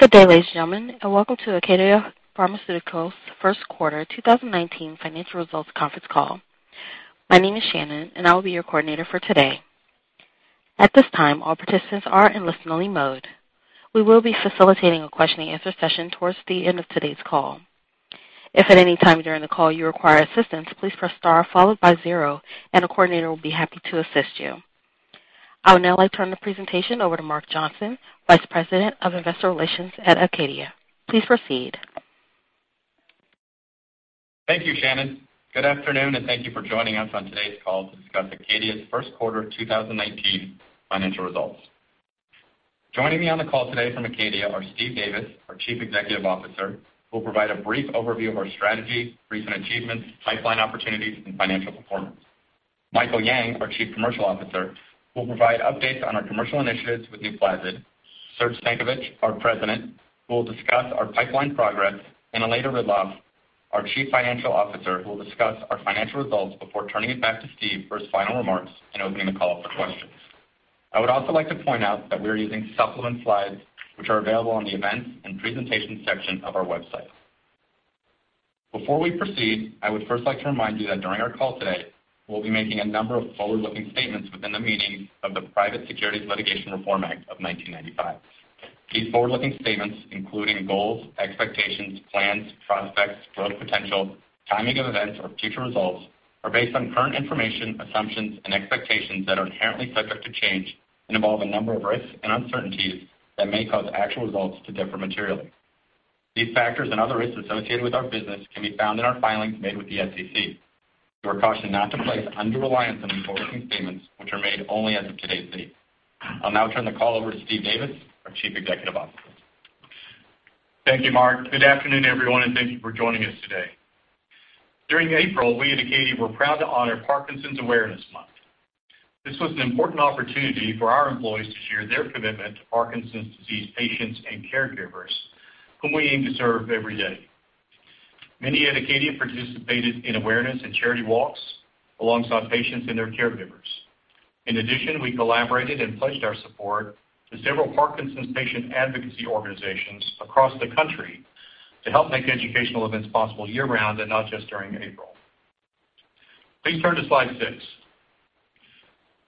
Good day, ladies and gentlemen, and welcome to ACADIA Pharmaceuticals' first quarter 2019 financial results conference call. My name is Shannon, and I will be your coordinator for today. At this time, all participants are in listen-only mode. We will be facilitating a question and answer session towards the end of today's call. If at any time during the call you require assistance, please press star followed by zero, and a coordinator will be happy to assist you. I would now like to turn the presentation over to Mark Johnson, Vice President of Investor Relations at ACADIA. Please proceed. Thank you, Shannon. Good afternoon, and thank you for joining us on today's call to discuss ACADIA's first quarter 2019 financial results. Joining me on the call today from ACADIA are Steve Davis, our Chief Executive Officer, who will provide a brief overview of our strategy, recent achievements, pipeline opportunities, and financial performance. Michael Yang, our Chief Commercial Officer, will provide updates on our commercial initiatives with NUPLAZID. Serge Stankovic, our President, will discuss our pipeline progress, and Elena Ridloff, our Chief Financial Officer, will discuss our financial results before turning it back to Steve for his final remarks and opening the call up for questions. I would also like to point out that we are using supplement slides which are available on the events and presentations section of our website. Before we proceed, I would first like to remind you that during our call today, we'll be making a number of forward-looking statements within the meaning of the Private Securities Litigation Reform Act of 1995. These forward-looking statements, including goals, expectations, plans, prospects, growth potential, timing of events or future results, are based on current information, assumptions, and expectations that are inherently subject to change and involve a number of risks and uncertainties that may cause actual results to differ materially. These factors and other risks associated with our business can be found in our filings made with the SEC. You are cautioned not to place undue reliance on these forward-looking statements which are made only as of today's date. I'll now turn the call over to Steve Davis, our Chief Executive Officer. Thank you, Mark. Good afternoon, everyone, and thank you for joining us today. During April, we at ACADIA were proud to honor Parkinson's Awareness Month. This was an important opportunity for our employees to share their commitment to Parkinson's disease patients and caregivers whom we aim to serve every day. Many at ACADIA participated in awareness and charity walks alongside patients and their caregivers. In addition, we collaborated and pledged our support to several Parkinson's patient advocacy organizations across the country to help make educational events possible year-round and not just during April. Please turn to slide six.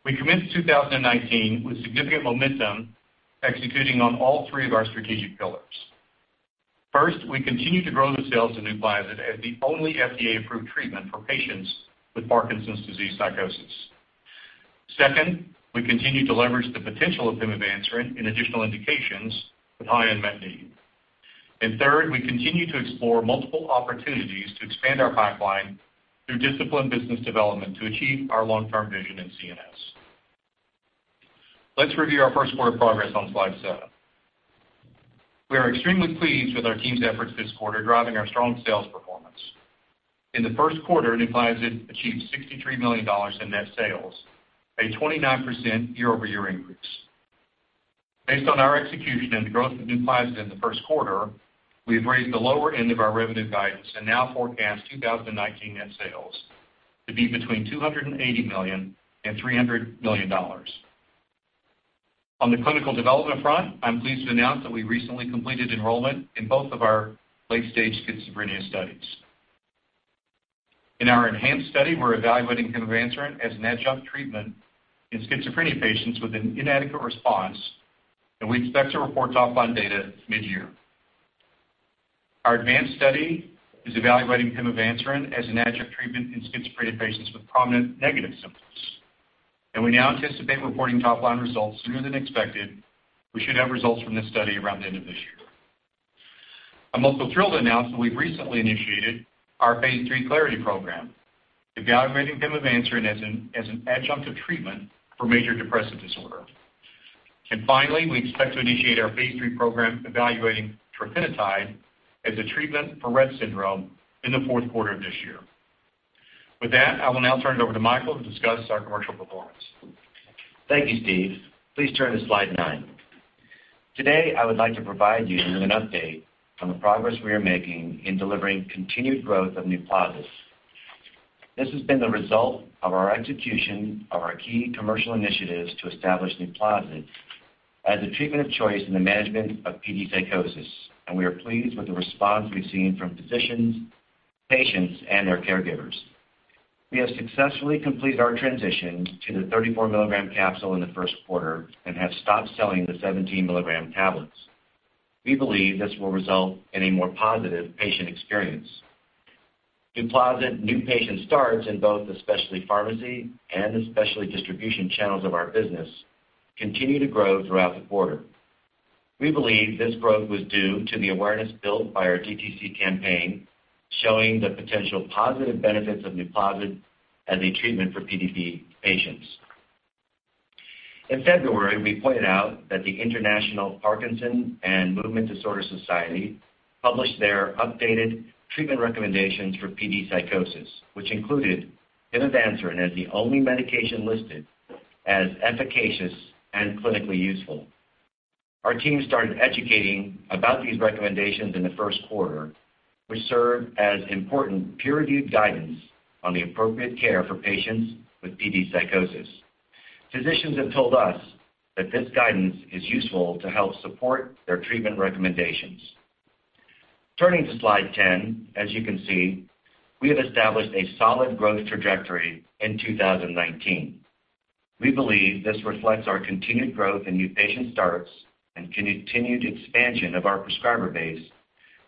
We commenced 2019 with significant momentum executing on all three of our strategic pillars. First, we continue to grow the sales of NUPLAZID as the only FDA-approved treatment for patients with Parkinson's disease psychosis. Second, we continue to leverage the potential of pimavanserin in additional indications with high unmet need. Third, we continue to explore multiple opportunities to expand our pipeline through disciplined business development to achieve our long-term vision in CNS. Let's review our first quarter progress on slide seven. We are extremely pleased with our team's efforts this quarter, driving our strong sales performance. In the first quarter, NUPLAZID achieved $63 million in net sales, a 29% year-over-year increase. Based on our execution and the growth of NUPLAZID in the first quarter, we have raised the lower end of our revenue guidance and now forecast 2019 net sales to be between $280 million and $300 million. On the clinical development front, I'm pleased to announce that we recently completed enrollment in both of our late-stage schizophrenia studies. In our ENHANCE study, we're evaluating pimavanserin as an adjunct treatment in schizophrenia patients with an inadequate response, and we expect to report top-line data mid-year. Our ADVANCE study is evaluating pimavanserin as an adjunct treatment in schizophrenia patients with prominent negative symptoms, and we now anticipate reporting top-line results sooner than expected. We should have results from this study around the end of this year. I'm also thrilled to announce that we've recently initiated our phase III CLARITY program evaluating pimavanserin as an adjunctive treatment for major depressive disorder. Finally, we expect to initiate our phase III program evaluating trofinetide as a treatment for Rett syndrome in the fourth quarter of this year. With that, I will now turn it over to Michael to discuss our commercial performance. Thank you, Steve. Please turn to slide nine. Today, I would like to provide you with an update on the progress we are making in delivering continued growth of NUPLAZID. This has been the result of our execution of our key commercial initiatives to establish NUPLAZID as a treatment of choice in the management of PD psychosis, and we are pleased with the response we've seen from physicians, patients, and their caregivers. We have successfully completed our transition to the 34 mg capsule in the first quarter and have stopped selling the 17 mg tablets. We believe this will result in a more positive patient experience. NUPLAZID new patient starts in both the specialty pharmacy and the specialty distribution channels of our business continue to grow throughout the quarter. We believe this growth was due to the awareness built by our DTC campaign showing the potential positive benefits of NUPLAZID as a treatment for PDP patients. In February, we pointed out that the International Parkinson and Movement Disorder Society published their updated treatment recommendations for PD psychosis, which included pimavanserin as the only medication listed as efficacious and clinically useful. Our team started educating about these recommendations in the first quarter, which served as important peer-reviewed guidance on the appropriate care for patients with PD psychosis. Physicians have told us that this guidance is useful to help support their treatment recommendations. Turning to slide 10, as you can see, we have established a solid growth trajectory in 2019. We believe this reflects our continued growth in new patient starts and continued expansion of our prescriber base,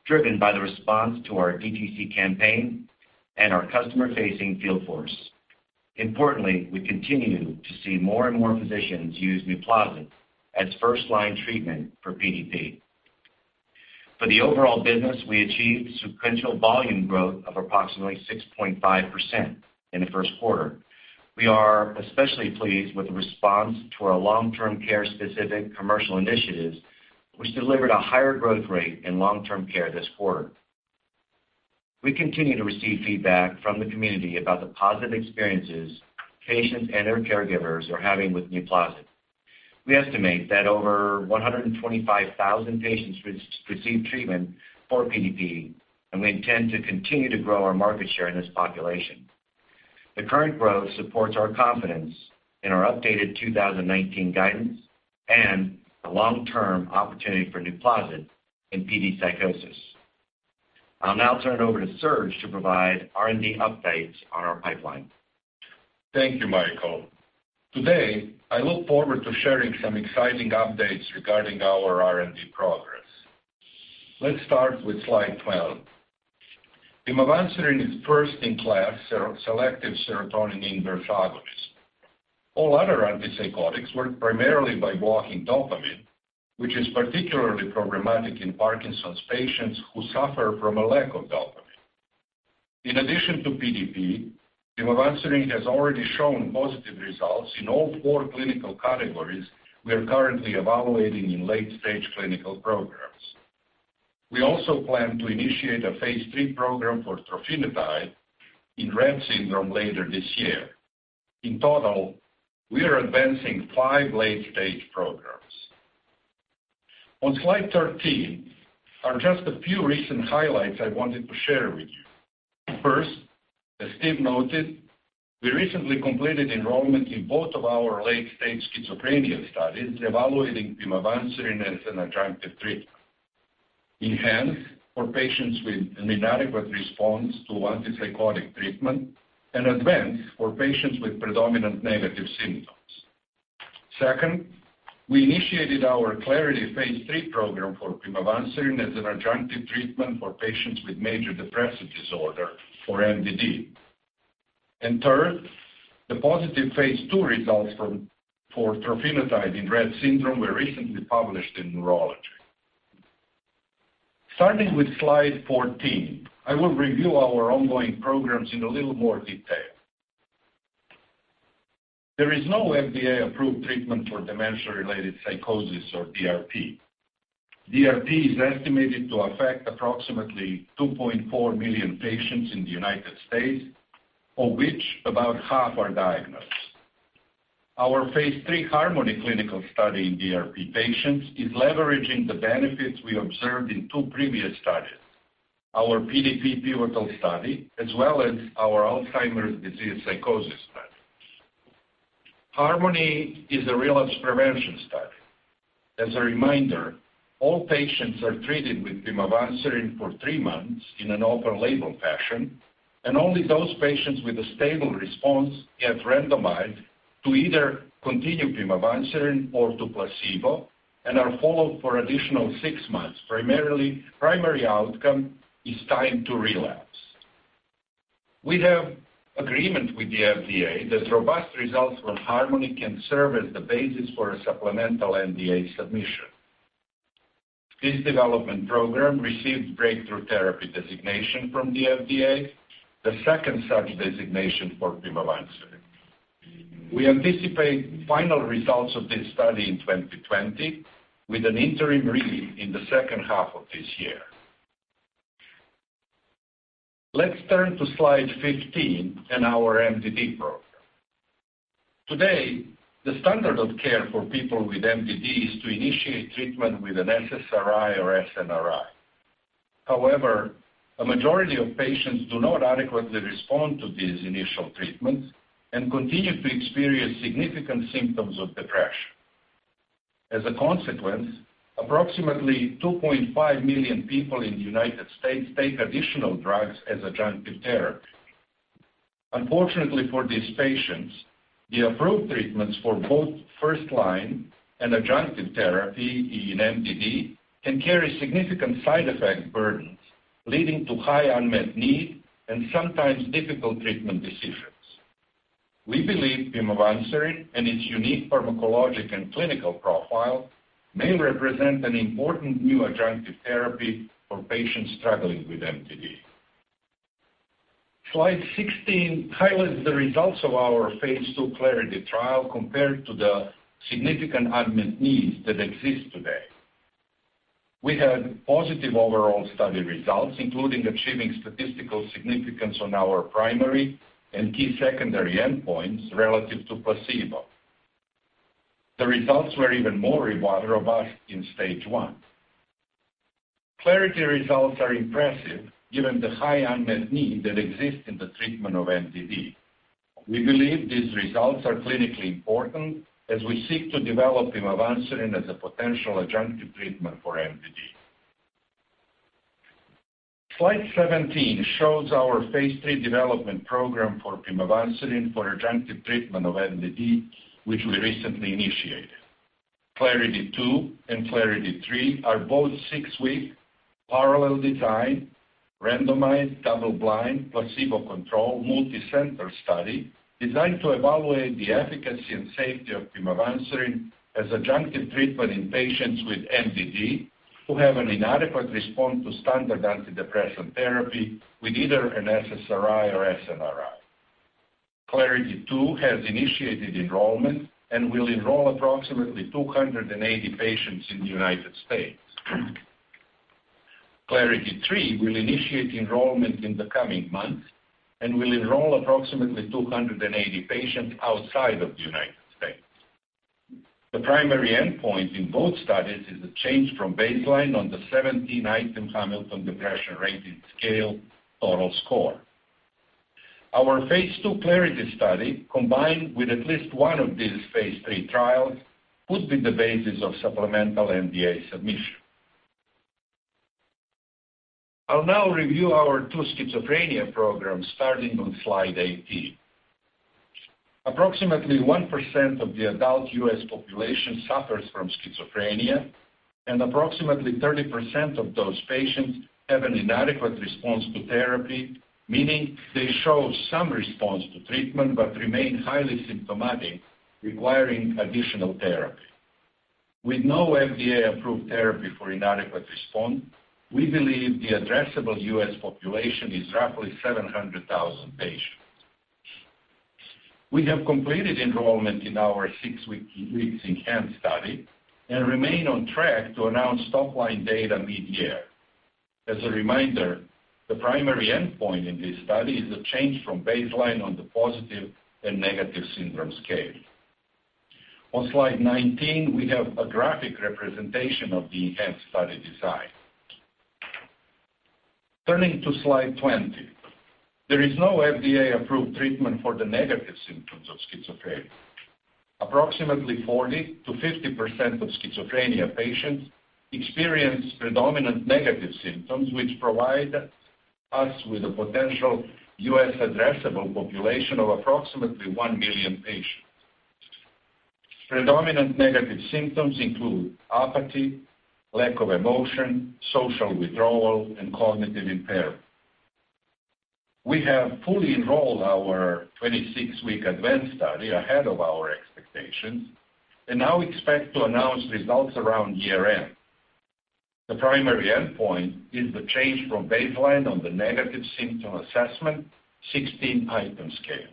driven by the response to our DTC campaign and our customer-facing field force. Importantly, we continue to see more and more physicians use NUPLAZID as first-line treatment for PDP. For the overall business, we achieved sequential volume growth of approximately 6.5% in the first quarter. We are especially pleased with the response to our long-term care-specific commercial initiatives, which delivered a higher growth rate in long-term care this quarter. We continue to receive feedback from the community about the positive experiences patients and their caregivers are having with NUPLAZID. We estimate that over 125,000 patients received treatment for PDP, and we intend to continue to grow our market share in this population. The current growth supports our confidence in our updated 2019 guidance and the long-term opportunity for NUPLAZID in PD psychosis. I'll now turn it over to Serge to provide R&D updates on our pipeline. Thank you, Michael. Today, I look forward to sharing some exciting updates regarding our R&D progress. Let's start with slide 12. Pimavanserin is first-in-class serotonin inverse agonist. All other antipsychotics work primarily by blocking dopamine, which is particularly problematic in Parkinson's patients who suffer from a lack of dopamine. In addition to PDP, pimavanserin has already shown positive results in all four clinical categories we are currently evaluating in late-stage clinical programs. We also plan to initiate a phase III program for trofinetide in Rett syndrome later this year. In total, we are advancing five late-stage programs. On slide 13 are just a few recent highlights I wanted to share with you. First, as Steve noted, we recently completed enrollment in both of our late-stage schizophrenia studies evaluating pimavanserin as an adjunctive treatment. ENHANCE for patients with an inadequate response to antipsychotic treatment and ADVANCE for patients with predominant negative symptoms. Second, we initiated our CLARITY phase III program for pimavanserin as an adjunctive treatment for patients with major depressive disorder for MDD. Third, the positive phase II results for trofinetide in Rett syndrome were recently published in Neurology. Starting with slide 14, I will review our ongoing programs in a little more detail. There is no FDA-approved treatment for dementia-related psychosis or DRP. DRP is estimated to affect approximately 2.4 million patients in the United States, of which about half are diagnosed. Our phase III HARMONY clinical study in DRP patients is leveraging the benefits we observed in two previous studies, our PDP pivotal study as well as our Alzheimer's disease psychosis study. HARMONY is a relapse prevention study. As a reminder, all patients are treated with pimavanserin for three months in an open-label fashion, and only those patients with a stable response get randomized to either continue pimavanserin or to placebo and are followed for additional six months. Primarily, primary outcome is time to relapse. We have agreement with the FDA that robust results from HARMONY can serve as the basis for a supplemental NDA submission. This development program received Breakthrough Therapy designation from the FDA, the second such designation for pimavanserin. We anticipate final results of this study in 2020 with an interim read in the second half of this year. Let's turn to slide 15 and our MDD program. Today, the standard of care for people with MDD is to initiate treatment with an SSRI or SNRI. However, a majority of patients do not adequately respond to these initial treatments and continue to experience significant symptoms of depression. As a consequence, approximately 2.5 million people in the U.S. take additional drugs as adjunctive therapy. Unfortunately for these patients, the approved treatments for both first-line and adjunctive therapy in MDD can carry significant side effect burdens, leading to high unmet need and sometimes difficult treatment decisions. We believe pimavanserin and its unique pharmacologic and clinical profile may represent an important new adjunctive therapy for patients struggling with MDD. Slide 16 highlights the results of our phase II CLARITY trial compared to the significant unmet needs that exist today. We had positive overall study results, including achieving statistical significance on our primary and key secondary endpoints relative to placebo. The results were even more robust in stage one. CLARITY results are impressive given the high unmet need that exists in the treatment of MDD. We believe these results are clinically important as we seek to develop pimavanserin as a potential adjunctive treatment for MDD. Slide 17 shows our phase III development program for pimavanserin for adjunctive treatment of MDD, which we recently initiated. CLARITY-2 and CLARITY-3 are both six-week parallel design, randomized double-blind, placebo-controlled, multicenter study designed to evaluate the efficacy and safety of pimavanserin as adjunctive treatment in patients with MDD who have an inadequate response to standard antidepressant therapy with either an SSRI or SNRI. CLARITY-2 has initiated enrollment and will enroll approximately 280 patients in the United States. CLARITY-3 will initiate enrollment in the coming months and will enroll approximately 280 patients outside of the United States. The primary endpoint in both studies is a change from baseline on the 17-item Hamilton Depression Rating Scale total score. Our phase II CLARITY study, combined with at least one of these phase III trials, could be the basis of supplemental NDA submission. I'll now review our two schizophrenia programs, starting on slide 18. Approximately 1% of the adult U.S. population suffers from schizophrenia, approximately 30% of those patients have an inadequate response to therapy, meaning they show some response to treatment but remain highly symptomatic, requiring additional therapy. With no FDA-approved therapy for inadequate response, we believe the addressable U.S. population is roughly 700,000 patients. We have completed enrollment in our six-week ENHANCE study and remain on track to announce top line data mid-year. As a reminder, the primary endpoint in this study is a change from baseline on the PANSS. On slide 19, we have a graphic representation of the ENHANCE study design. Turning to slide 20. There is no FDA-approved treatment for the negative symptoms of schizophrenia. Approximately 40%-50% of schizophrenia patients experience predominant negative symptoms, which provide us with a potential U.S. addressable population of approximately 1 million patients. Predominant negative symptoms include apathy, lack of emotion, social withdrawal, and cognitive impairment. We have fully enrolled our 26-week ADVANCE study ahead of our expectations and now expect to announce results around year-end. The primary endpoint is the change from baseline on the Negative Symptom Assessment-16 scale.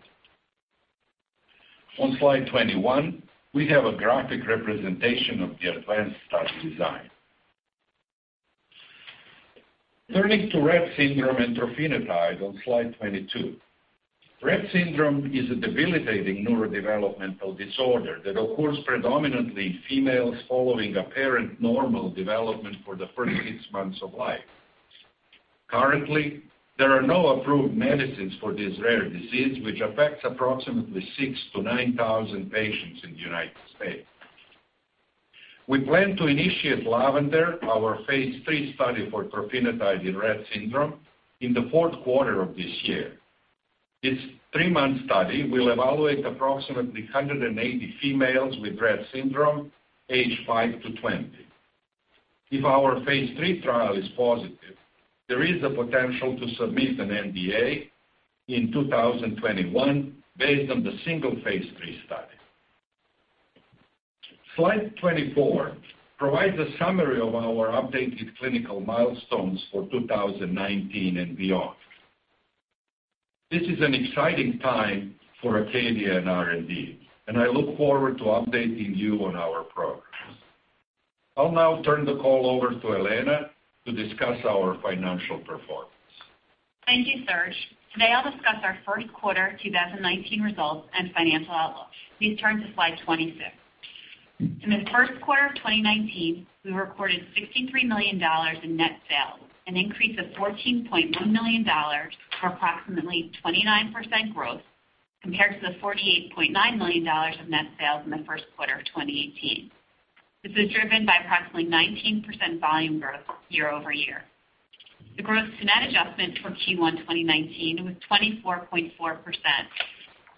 On slide 21, we have a graphic representation of the ADVANCE study design. Turning to Rett syndrome and trofinetide on slide 22. Rett syndrome is a debilitating neurodevelopmental disorder that occurs predominantly in females following apparent normal development for the first six months of life. Currently, there are no approved medicines for this rare disease, which affects approximately 6,000-9,000 patients in the United States. We plan to initiate LAVENDER, our phase III study for trofinetide in Rett syndrome, in the fourth quarter of this year. This three-month study will evaluate approximately 180 females with Rett syndrome aged 5-20. If our phase III trial is positive, there is the potential to submit an NDA in 2021 based on the single phase III study. Slide 24 provides a summary of our updated clinical milestones for 2019 and beyond. This is an exciting time for ACADIA and R&D, and I look forward to updating you on our progress. I'll now turn the call over to Elena to discuss our financial performance. Thank you, Serge. Today, I'll discuss our first quarter 2019 results and financial outlook. Please turn to slide 26. In the first quarter of 2019, we recorded $63 million in net sales, an increase of $14.1 million, or approximately 29% growth, compared to the $48.9 million of net sales in the first quarter of 2018. This is driven by approximately 19% volume growth year-over-year. The gross-to-net adjustment for Q1 2019 was 24.4%.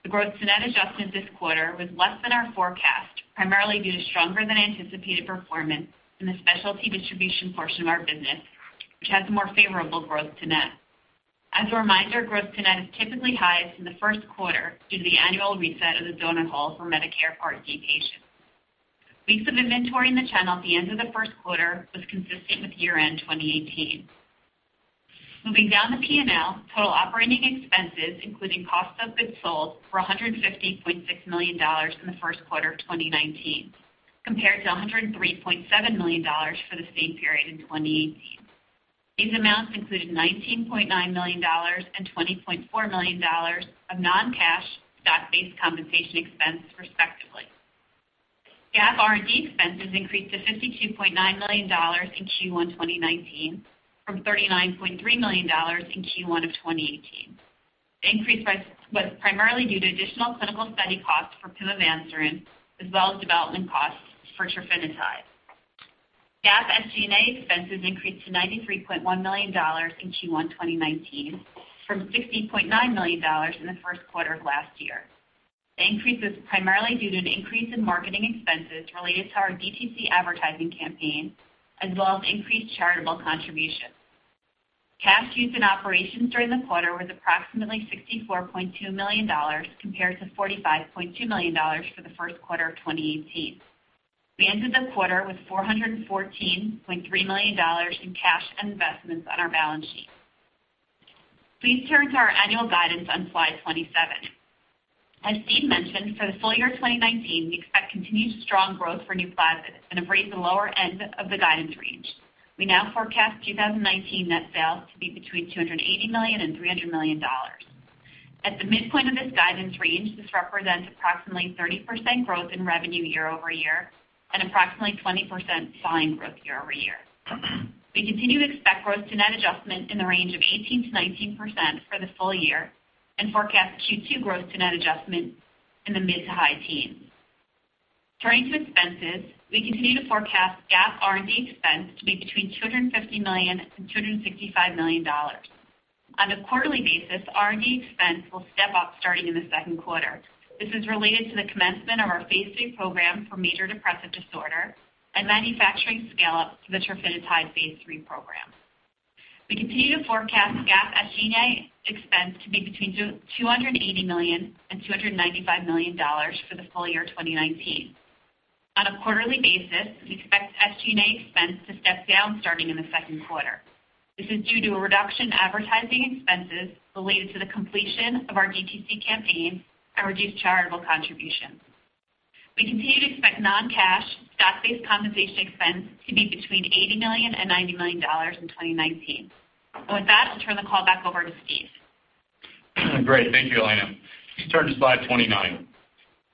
The gross-to-net adjustment this quarter was less than our forecast, primarily due to stronger than anticipated performance in the specialty distribution portion of our business, which has more favorable gross-to-net. As a reminder, gross-to-net is typically highest in the first quarter due to the annual reset of the donut hole for Medicare Part D patients. Weeks of inventory in the channel at the end of the first quarter was consistent with year-end 2018. Moving down the P&L, total operating expenses, including cost of goods sold, for $150.6 million in the first quarter of 2019, compared to $103.7 million for the same period in 2018. These amounts included $19.9 million and $20.4 million of non-cash stock-based compensation expense respectively. GAAP R&D expenses increased to $52.9 million in Q1 2019 from $39.3 million in Q1 of 2018. The increase was primarily due to additional clinical study costs for pimavanserin, as well as development costs for trofinetide. GAAP SG&A expenses increased to $93.1 million in Q1 2019 from $60.9 million in the first quarter of last year. The increase is primarily due to an increase in marketing expenses related to our DTC advertising campaign, as well as increased charitable contributions. Cash used in operations during the quarter was approximately $64.2 million, compared to $45.2 million for the first quarter of 2018. We ended the quarter with $414.3 million in cash and investments on our balance sheet. Please turn to our annual guidance on slide 27. As Steve mentioned, for the full year 2019, we expect continued strong growth for NUPLAZID and have raised the lower end of the guidance range. We now forecast 2019 net sales to be between $280 million and $300 million. At the midpoint of this guidance range, this represents approximately 30% growth in revenue year-over-year and approximately 20% volume growth year-over-year. We continue to expect gross-to-net adjustment in the range of 18%-19% for the full year and forecast Q2 gross-to-net adjustment in the mid to high teens. Turning to expenses, we continue to forecast GAAP R&D expense to be between $250 million and $265 million. On a quarterly basis, R&D expense will step up starting in the second quarter. This is related to the commencement of our phase III program for major depressive disorder and manufacturing scale-up for the trofinetide phase III program. We continue to forecast GAAP SG&A expense to be between $280 million and $295 million for the full year 2019. On a quarterly basis, we expect SG&A expense to step down starting in the second quarter. This is due to a reduction in advertising expenses related to the completion of our DTC campaign and reduced charitable contributions. We continue to expect non-cash stock-based compensation expense to be between $80 million and $90 million in 2019. With that, I'll turn the call back over to Steve. Great. Thank you, Elena. Please turn to slide 29.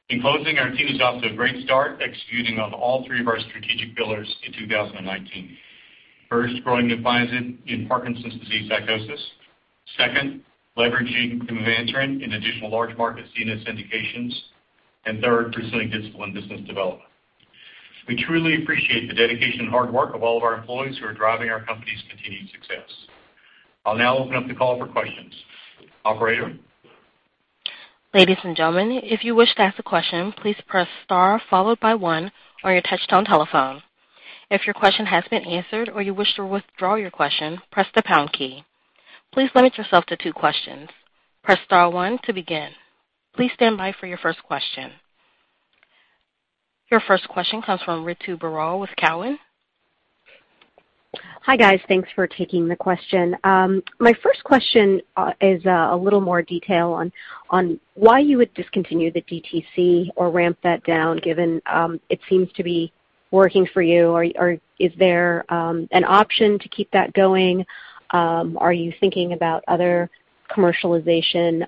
In closing, our team is off to a great start executing on all three of our strategic pillars in 2019. First, growing NUPLAZID in Parkinson's disease psychosis. Second, leveraging pimavanserin in additional large markets in its indications. Third, pursuing disciplined business development. We truly appreciate the dedication and hard work of all of our employees who are driving our company's continued success. I'll now open up the call for questions. Operator? Your first question comes from Ritu Baral with Cowen. Hi, guys. Thanks for taking the question. My first question is a little more detail on why you would discontinue the DTC or ramp that down, given it seems to be working for you. Is there an option to keep that going? Are you thinking about other commercialization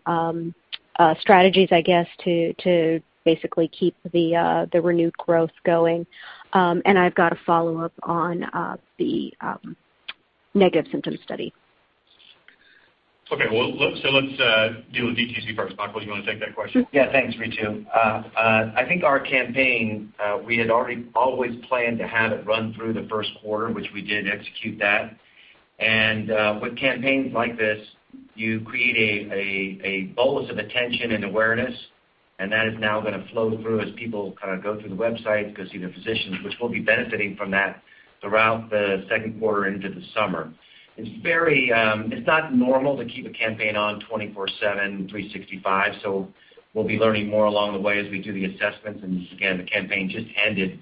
strategies, I guess, to basically keep the renewed growth going? I've got a follow-up on the negative symptom study. Okay. Well, let's deal with DTC first. Michael, do you want to take that question? Thanks, Ritu. I think our campaign, we had already always planned to have it run through the first quarter, which we did execute that. With campaigns like this, you create a bolus of attention and awareness, and that is now gonna flow through as people kind of go through the website, go see their physicians, which we'll be benefiting from that throughout the second quarter into the summer. It's very. It's not normal to keep a campaign on 24/7, 365, we'll be learning more along the way as we do the assessments. Again, the campaign just ended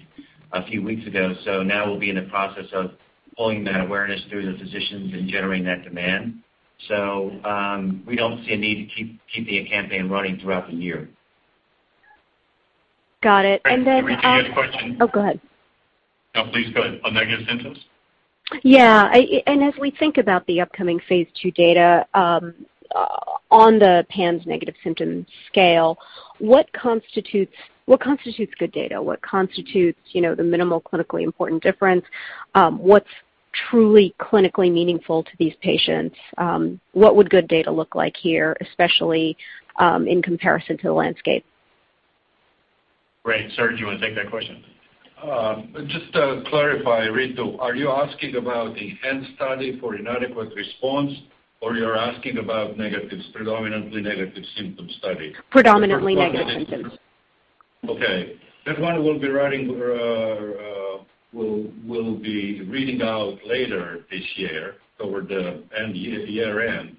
a few weeks ago, now we'll be in the process of pulling that awareness through the physicians and generating that demand. We don't see a need to keep the campaign running throughout the year. Got it. Then. Ritu, you had a question. Oh, go ahead. No, please go ahead. On negative symptoms? Yeah. I as we think about the upcoming phase II data, on the PANSS negative symptom scale, what constitutes good data? What constitutes, you know, the minimal clinically important difference? What's truly clinically meaningful to these patients? What would good data look like here, especially, in comparison to the landscape? Great. Serge, do you wanna take that question? Just to clarify, Ritu, are you asking about the end study for inadequate response or you're asking about negative, predominantly negative symptom study? Predominantly negative symptoms. Okay. That one we'll be reading out later this year toward the year end.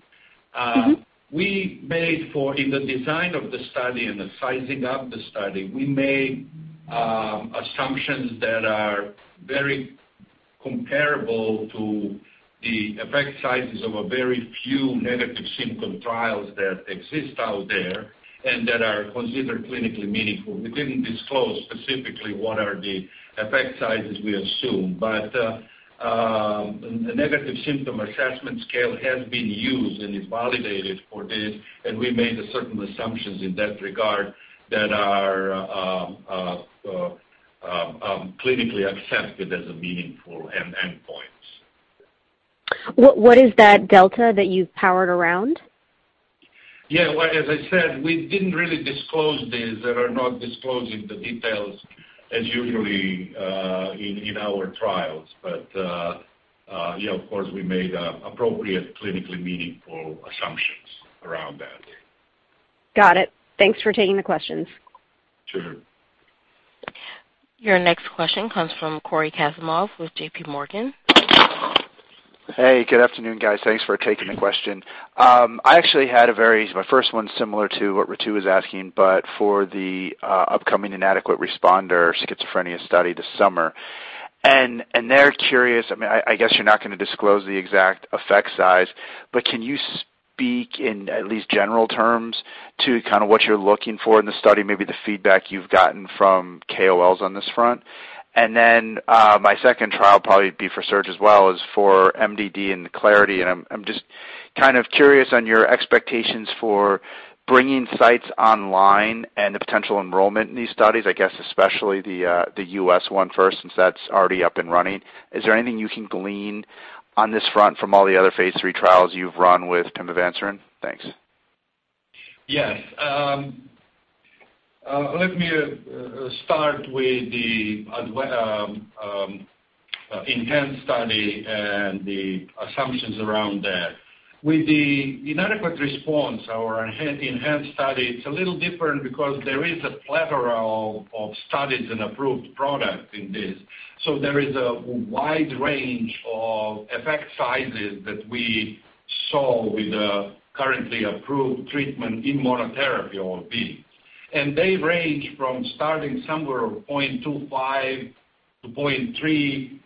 We made for in the design of the study and the sizing up the study, we made assumptions that are very comparable to the effect sizes of a very few negative symptom trials that exist out there and that are considered clinically meaningful. We didn't disclose specifically what are the effect sizes we assume, but the Negative Symptom Assessment scale has been used and is validated for this, and we made certain assumptions in that regard that are clinically accepted as a meaningful end point. What is that delta that you've powered around? Yeah, well, as I said, we didn't really disclose this. There are not disclosing the details as usually in our trials. Yeah, of course, we made appropriate clinically meaningful assumptions around that. Got it. Thanks for taking the questions. Sure. Your next question comes from Cory Kasimov with J.P. Morgan. Hey, good afternoon, guys. Thanks for taking the question. I actually had a very my first one similar to what Ritu was asking, but for the upcoming inadequate responder schizophrenia study this summer. They're curious. I mean, I guess you're not gonna disclose the exact effect size, but can you speak in at least general terms to kind of what you're looking for in the study, maybe the feedback you've gotten from KOLs on this front? My second trial probably be for Serge as well is for MDD and the CLARITY. I'm just kind of curious on your expectations for bringing sites online and the potential enrollment in these studies, I guess especially the U.S. one first, since that's already up and running. Is there anything you can glean on this front from all the other phase III trials you've run with pimavanserin? Thanks. Yes. Let me start with the ENHANCE study and the assumptions around that. With the inadequate response, our ENHANCE study, it's a little different because there is a plethora of studies and approved product in this. There is a wide range of effect sizes that we saw with the currently approved treatment in monotherapy. They range from starting somewhere of 0.25 to 0.3.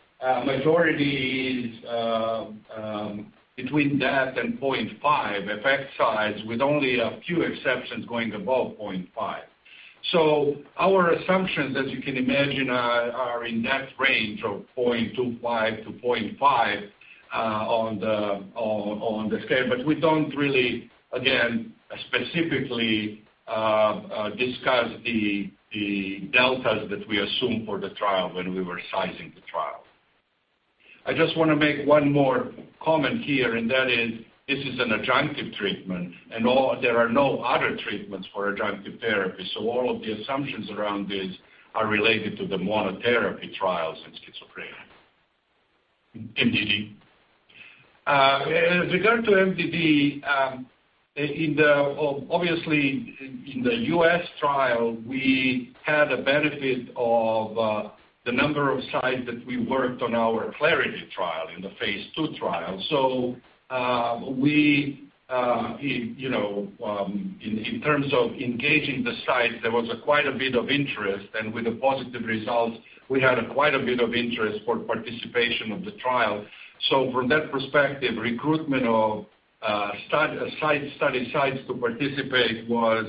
Majority is between that and 0.5 effect size, with only a few exceptions going above 0.5. Our assumptions, as you can imagine, are in that range of 0.25 to 0.5 on the scale. We don't really, again, specifically discuss the deltas that we assume for the trial when we were sizing the trial. I just want to make one more comment here, and that is, this is an adjunctive treatment, there are no other treatments for adjunctive therapy. All of the assumptions around this are related to the monotherapy trials in schizophrenia. MDD. In regard to MDD, obviously, in the U.S. trial, we had a benefit of the number of sites that we worked on our CLARITY trial in the phase II trial. We, you know, in terms of engaging the sites, there was a quite a bit of interest. With the positive results, we had quite a bit of interest for participation of the trial. From that perspective, recruitment of study sites to participate was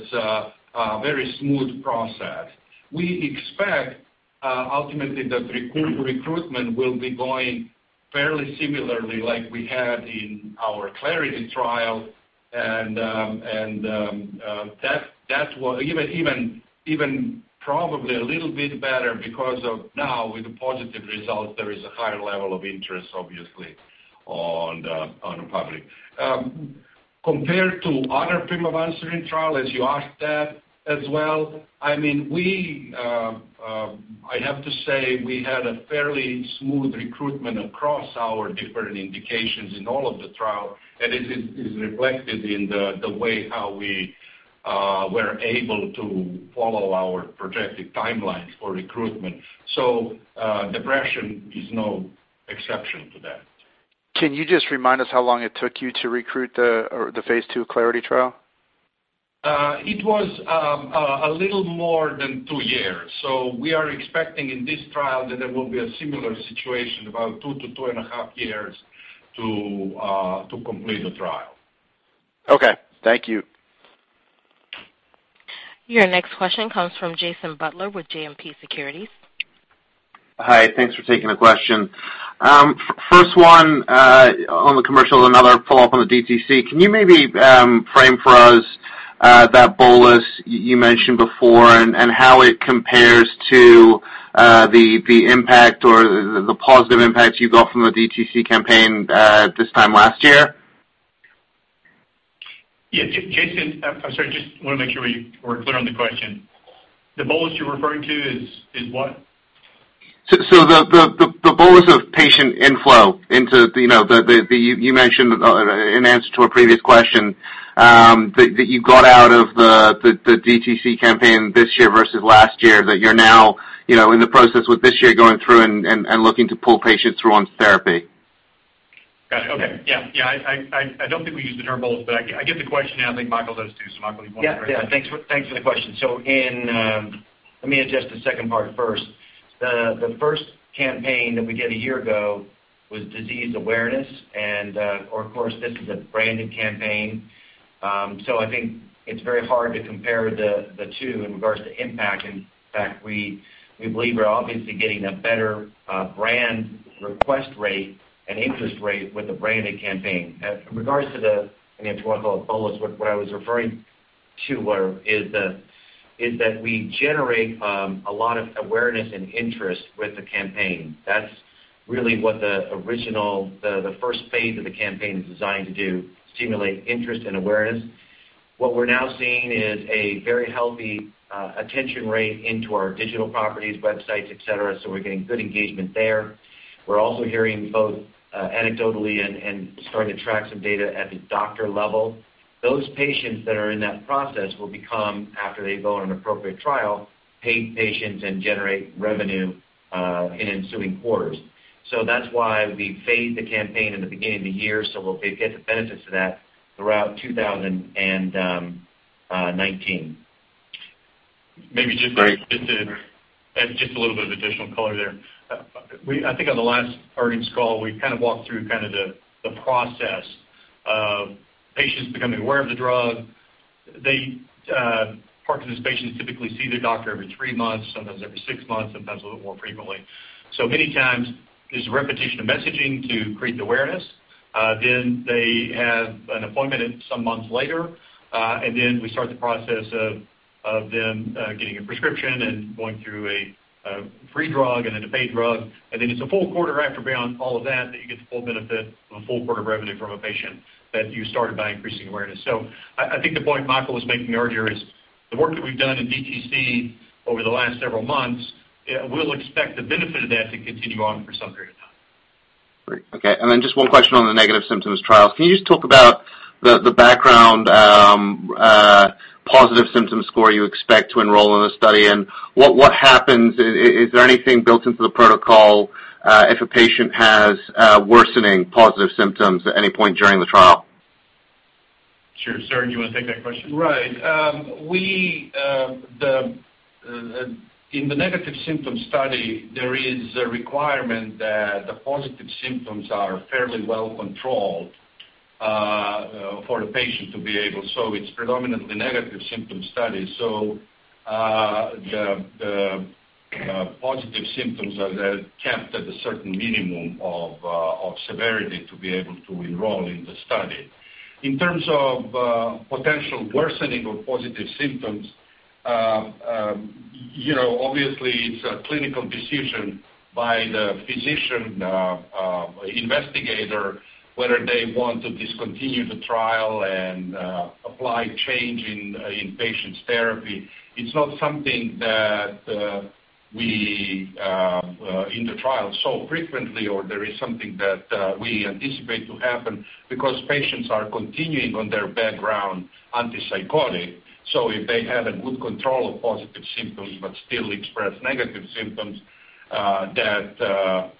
a very smooth process. We expect ultimately, the recruitment will be going fairly similarly like we had in our CLARITY trial and that's what even probably a little bit better because of now with the positive results, there is a higher level of interest, obviously, on the public. Compared to other pimavanserin trial, as you asked that as well, I mean, we have to say we had a fairly smooth recruitment across our different indications in all of the trial, and it is reflected in the way how we were able to follow our projected timelines for recruitment. Depression is no exception to that. Can you just remind us how long it took you to recruit the phase II CLARITY trial? It was a little more than two years. We are expecting in this trial that there will be a similar situation, about two to two and a half years to complete the trial. Okay. Thank you. Your next question comes from Jason Butler with JMP Securities. Hi. Thanks for taking the question. First one on the commercial, another follow-up on the DTC. Can you maybe frame for us that bolus you mentioned before and how it compares to the impact or the positive impact you got from the DTC campaign this time last year? Yeah. Jason, I'm sorry, just wanna make sure we're clear on the question. The bolus you're referring to is what? The bolus of patient inflow into, you know, you mentioned in answer to a previous question that you got out of the DTC campaign this year versus last year that you're now, you know, in the process with this year going through and looking to pull patients through on therapy. Got it. Okay. Yeah. Yeah. I don't think we use the term bolus, but I get the question, and I think Michael does too. Michael, you wanna- Yeah. Yeah. Thanks for the question. In, let me address the second part first. The first campaign that we did a year ago was disease awareness and, or of course, this is a branded campaign. I think it's very hard to compare the two in regards to impact. In fact, we believe we're obviously getting a better brand request rate and interest rate with the branded campaign. In regards to the, I mean, to what called bolus, what I was referring to is that we generate a lot of awareness and interest with the campaign. That's really what the original, the first phase of the campaign is designed to do, stimulate interest and awareness. What we're now seeing is a very healthy attention rate into our digital properties, websites, et cetera, so we're getting good engagement there. We're also hearing both anecdotally and starting to track some data at the doctor level. Those patients that are in that process will become, after they go on an appropriate trial, paid patients and generate revenue in ensuing quarters. That's why we phased the campaign in the beginning of the year, so we'll get the benefits of that throughout 2019. Maybe just to- Great. Just to add a little bit of additional color there. I think on the last earnings call, we walked through the process of patients becoming aware of the drug. Parkinson's patients typically see their doctor every three months, sometimes every six months, sometimes a little more frequently. Many times it's a repetition of messaging to create the awareness. They have an appointment at some months later, we start the process of them getting a prescription and going through a free drug and then a paid drug. It's a full quarter after beyond all of that that you get the full benefit of a full quarter of revenue from a patient that you started by increasing awareness. I think the point Michael was making earlier is the work that we've done in DTC over the last several months, we'll expect the benefit of that to continue on for some period of time. Great. Okay. Just one question on the negative symptoms trials. Can you just talk about the background positive symptom score you expect to enroll in the study and what happens? Is there anything built into the protocol if a patient has worsening positive symptoms at any point during the trial? Sure. Serge, you wanna take that question? Right. We, the, in the negative symptom study, there is a requirement that the positive symptoms are fairly well controlled, for the patient to be able. It's predominantly negative symptom studies. The positive symptoms are capped at a certain minimum of severity to be able to enroll in the study. In terms of potential worsening of positive symptoms, you know, obviously it's a clinical decision by the physician investigator whether they want to discontinue the trial and apply change in patient's therapy. It's not something that we in the trial so frequently or there is something that we anticipate to happen because patients are continuing on their background antipsychotic. If they have a good control of positive symptoms but still express negative symptoms, that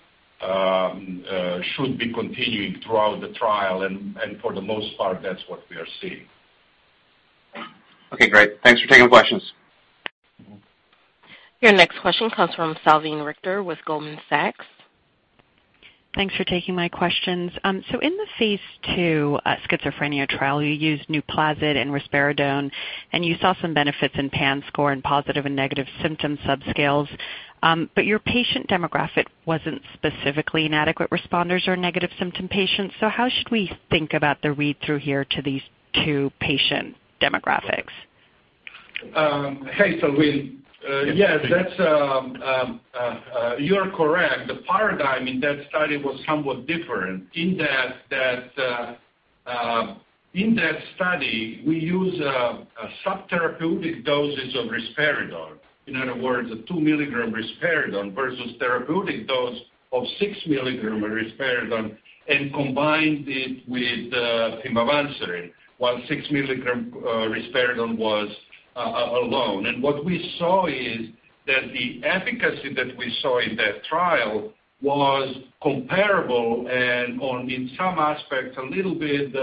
should be continuing throughout the trial, and for the most part, that's what we are seeing. Okay, great. Thanks for taking the questions. Your next question comes from Salveen Richter with Goldman Sachs. Thanks for taking my questions. In the phase II schizophrenia trial, you used NUPLAZID and risperidone, and you saw some benefits in PANSS score and positive and negative symptom subscales. Your patient demographic wasn't specifically inadequate responders or negative symptom patients. How should we think about the read-through here to these two patient demographics? Hey, Salveen. Yes, that's, you're correct. The paradigm in that study was somewhat different in that study, we use a subtherapeutic dosage of risperidone. In other words, a 2 mg risperidone versus therapeutic dose of 6 mg risperidone and combined it with pimavanserin while 6 mg risperidone was alone. What we saw is that the efficacy that we saw in that trial was comparable and on, in some aspects, a little bit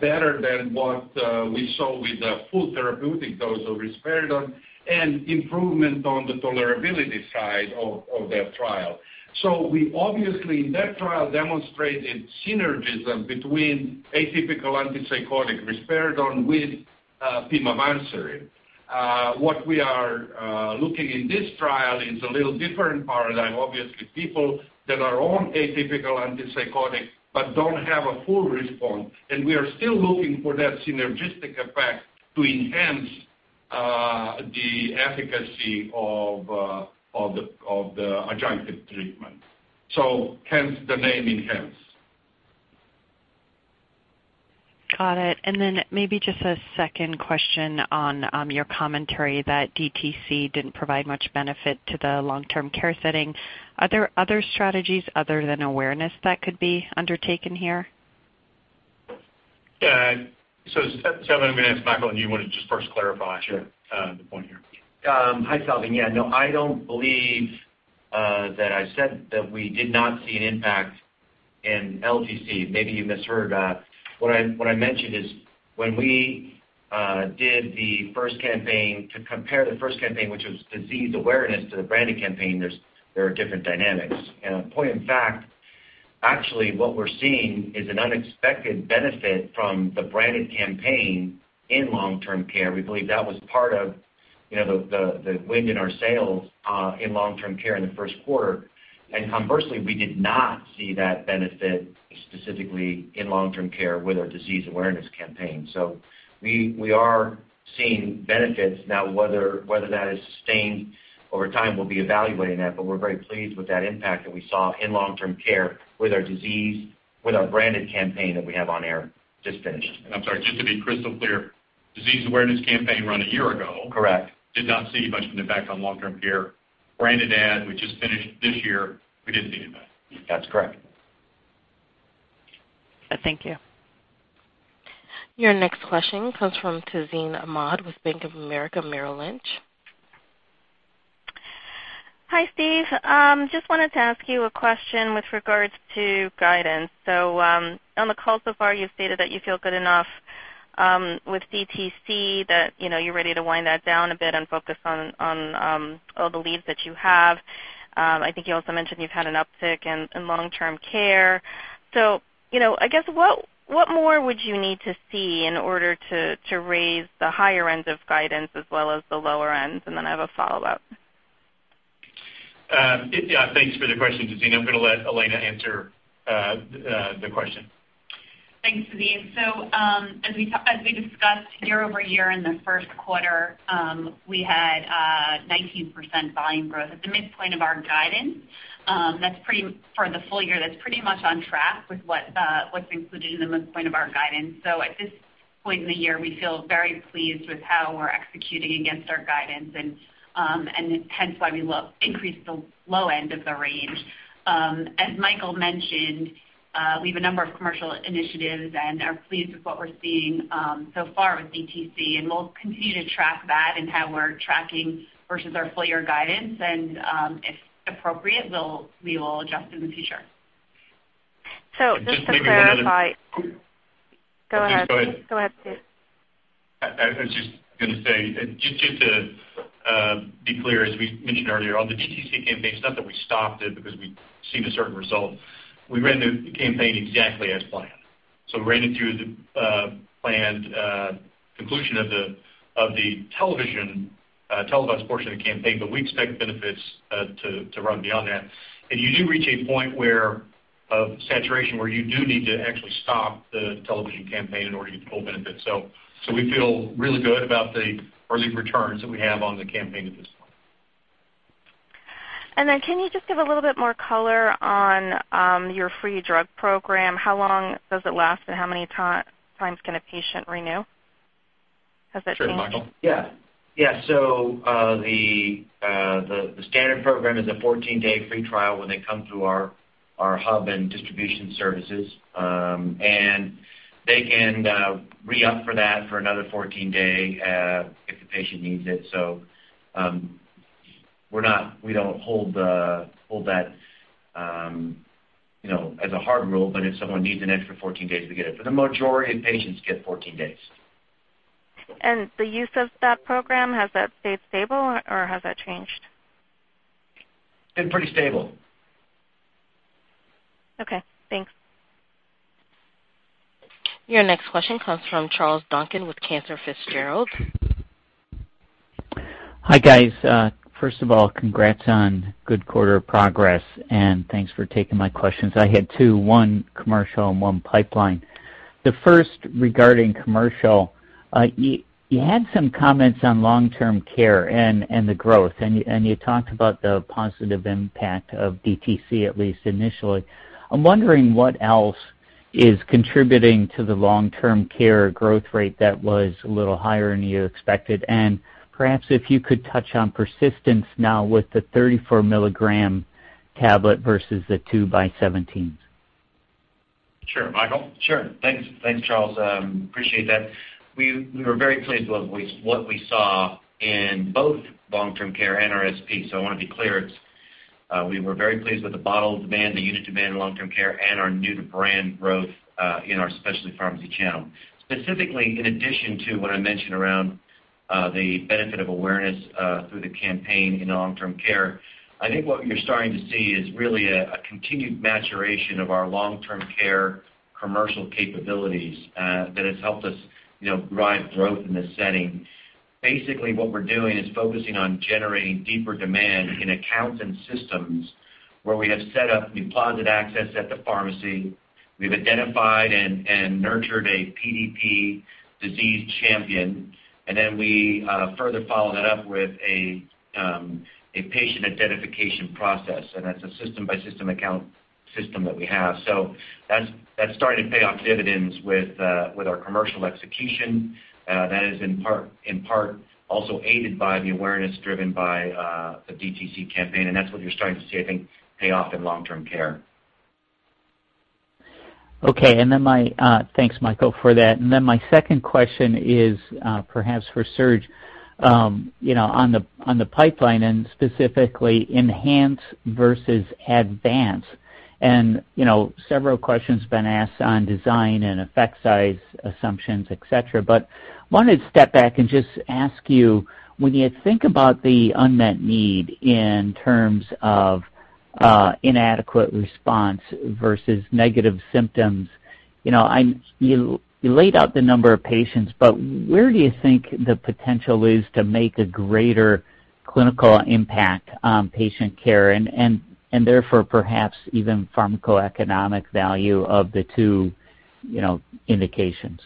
better than what we saw with the full therapeutic dose of risperidone and improvement on the tolerability side of that trial. We obviously, in that trial, demonstrated synergism between atypical antipsychotic risperidone with pimavanserin. What we are looking in this trial is a little different paradigm, obviously people that are on atypical antipsychotic but don't have a full response. We are still looking for that synergistic effect to enhance the efficacy of the adjunctive treatment. Hence the name ENHANCE. Got it. Maybe just a second question on your commentary that DTC didn't provide much benefit to the long-term care setting. Are there other strategies other than awareness that could be undertaken here? Yeah. Salveen, I'm gonna ask Michael and you wanna just first clarify. Sure. The point here. Hi, Salveen. No, I don't believe that I said that we did not see an impact in LTC. Maybe you misheard. What I mentioned is when we did the first campaign to compare the first campaign, which was disease awareness to the branding campaign, there are different dynamics. Point in fact, actually, what we're seeing is an unexpected benefit from the branded campaign in long-term care. We believe that was part of, you know, the wind in our sails in long-term care in the first quarter. Conversely, we did not see that benefit specifically in long-term care with our disease awareness campaign. We are seeing benefits. Whether that is sustained over time, we'll be evaluating that, but we're very pleased with that impact that we saw in long-term care with our disease, with our branded campaign that we have on air just finished. I'm sorry, just to be crystal clear, disease awareness campaign run a year ago. Correct. Did not see much of an impact on long-term care. Branded ad we just finished this year, we didn't see any of that. That's correct. Thank you. Your next question comes from Tazeen Ahmad with Bank of America Merrill Lynch. Hi, Steve. Just wanted to ask you a question with regards to guidance. On the call so far, you've stated that you feel good enough with DTC that, you know, you're ready to wind that down a bit and focus on all the leads that you have. I think you also mentioned you've had an uptick in long-term care. You know, I guess what more would you need to see in order to raise the higher end of guidance as well as the lower end? I have a follow-up. Yeah, thanks for the question, Tazeen. I'm gonna let Elena answer the question. Thanks, Tazeen. As we discussed year-over-year in the first quarter, we had 19% volume growth at the midpoint of our guidance. For the full year, that's pretty much on track with what's included in the midpoint of our guidance. At this point in the year, we feel very pleased with how we're executing against our guidance and hence why we increased the low end of the range. As Michael mentioned, we have a number of commercial initiatives and are pleased with what we're seeing so far with DTC. We'll continue to track that and how we're tracking versus our full year guidance. If appropriate, we will adjust in the future. Just to clarify. And just maybe one other- Go ahead. Please go ahead. Go ahead, Steve. I was just gonna say, just to be clear, as we mentioned earlier, on the DTC campaign, it's not that we stopped it because we'd seen a certain result. We ran the campaign exactly as planned. We ran it through the planned conclusion of the television, televised portion of the campaign, but we expect benefits to run beyond that. You do reach a point where, of saturation, where you do need to actually stop the television campaign in order to get the full benefit. We feel really good about the early returns that we have on the campaign at this point. Can you just give a little bit more color on your free drug program? How long does it last, and how many times can a patient renew? Has that changed? Sure. Michael? Yeah. Yeah. The standard program is a 14-day free trial when they come through our hub and distribution services. They can re-up for that for another 14-day if the patient needs it. We don't hold that, you know, as a hard rule, but if someone needs an extra 14 days, we give it. The majority of patients get 14 days. The use of that program, has that stayed stable or has that changed? It's pretty stable. Okay. Thanks. Your next question comes from Charles Duncan with Cantor Fitzgerald. Hi, guys. First of all, congrats on good quarter progress, thanks for taking my questions. I had two, one commercial and one pipeline. The first regarding commercial, you had some comments on long-term care and the growth, and you talked about the positive impact of DTC, at least initially. I'm wondering what else is contributing to the long-term care growth rate that was a little higher than you expected, and perhaps if you could touch on persistence now with the 34 mg tablet versus the two by 17s. Sure. Michael? Sure. Thanks. Thanks, Charles. Appreciate that. We were very pleased with what we saw in both LTC and our SD. I wanna be clear, we were very pleased with the bottle demand, the unit demand in LTC and our new-to-brand growth in our specialty pharmacy channel. Specifically, in addition to what I mentioned around the benefit of awareness through the campaign in LTC, I think what you're starting to see is really a continued maturation of our LTC commercial capabilities that has helped us, you know, drive growth in this setting. Basically, what we're doing is focusing on generating deeper demand in accounts and systems where we have set up the NUPLAZID access at the pharmacy. We've identified and nurtured a PDP disease champion. We further follow that up with a patient identification process. That's a system-by-system account system that we have. That's starting to pay off dividends with our commercial execution. That is in part also aided by the awareness driven by the DTC campaign. That's what you're starting to see, I think, pay off in long-term care. Okay. Thanks, Michael, for that. My second question is, perhaps for Serge. You know, on the, on the pipeline and specifically ENHANCE versus ADVANCE and, you know, several questions have been asked on design and effect size assumptions, et cetera. Wanted to step back and just ask you, when you think about the unmet need in terms of inadequate response versus negative symptoms, you know, you laid out the number of patients, but where do you think the potential is to make a greater clinical impact on patient care and, and therefore perhaps even pharmacoeconomic value of the two, you know, indications?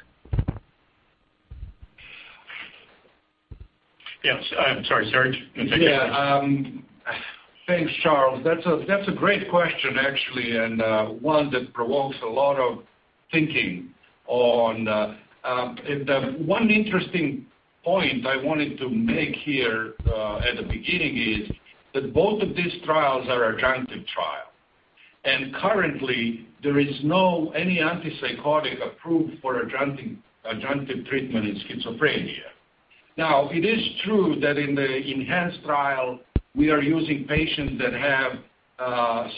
Yes. I'm sorry, Serge. You take it. Thanks, Charles. That's a great question actually, and one that provokes a lot of thinking. The one interesting point I wanted to make here at the beginning is that both of these trials are adjunctive trial. Currently, there is no any antipsychotic approved for adjunctive treatment in schizophrenia. It is true that in the ENHANCE trial we are using patients that have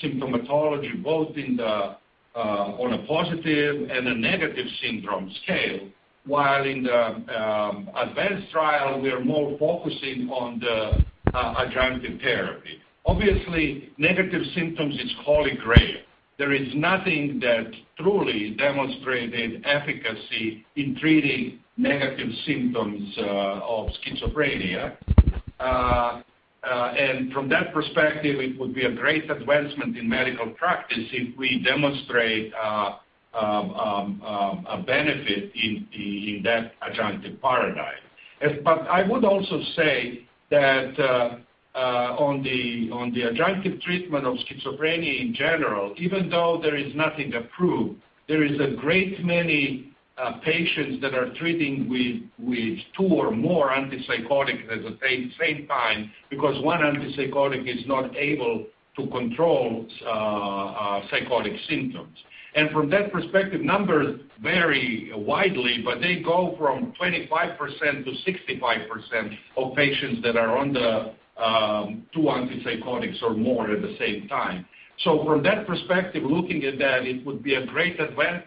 symptomatology both in the on a Positive and a Negative Syndrome Scale, while in the ADVANCE trial, we are more focusing on the adjunctive therapy. Obviously, negative symptoms is holy grail. There is nothing that truly demonstrated efficacy in treating negative symptoms of schizophrenia. From that perspective, it would be a great advancement in medical practice if we demonstrate a benefit in that adjunctive paradigm. I would also say that on the adjunctive treatment of schizophrenia in general, even though there is nothing approved, there is a great many patients that are treating with two or more antipsychotic at the same time because one antipsychotic is not able to control psychotic symptoms. From that perspective, numbers vary widely, but they go from 25% to 65% of patients that are on the two antipsychotics or more at the same time. From that perspective, looking at that, it would be a great advantage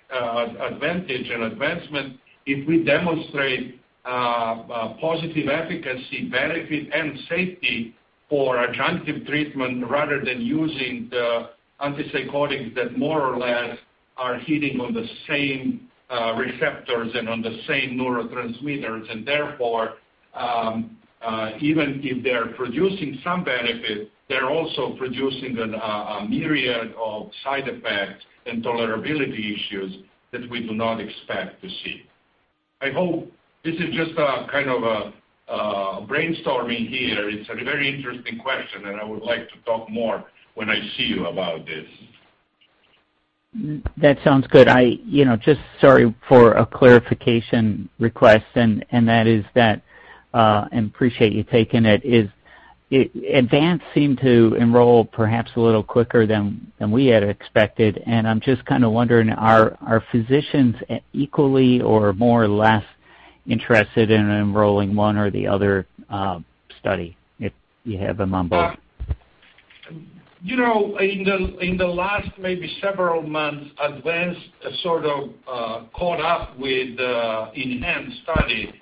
and advancement if we demonstrate positive efficacy, benefit, and safety for adjunctive treatment rather than using the antipsychotics that more or less are hitting on the same receptors and on the same neurotransmitters. Therefore, even if they're producing some benefit, they're also producing a myriad of side effects and tolerability issues that we do not expect to see. I hope this is just a kind of a brainstorming here. It's a very interesting question, and I would like to talk more when I see you about this. That sounds good. I, you know, just sorry for a clarification request, and that is that, and appreciate you taking it, is it ADVANCE seemed to enroll perhaps a little quicker than we had expected, and I'm just kinda wondering, are physicians equally or more or less interested in enrolling one or the other, study, if you have them on both? You know, in the last maybe several months, ADVANCE has sort of caught up with the ENHANCE study,